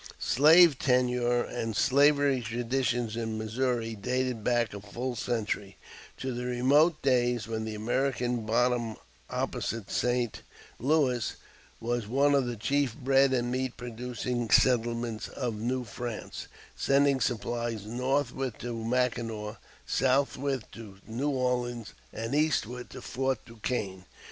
Slave tenure and slavery traditions in Missouri dated back a full century, to the remote days when the American Bottom opposite St. Louis was one of the chief bread and meat producing settlements of New France, sending supplies northward to Mackinaw, southward to New Orleans, and eastward to Fort Duquesne.